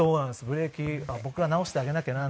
ブレーキ僕が直してあげなきゃななんて。